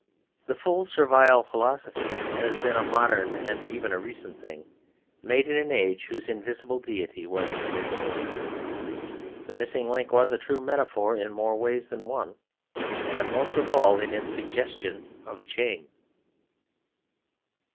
The full servile philosophy has been a modern and even a recent thing; made in an age whose invisible deity was the Missing Link. The Missing Link was a true metaphor in more ways than one; and most of all in its suggestion of a chain.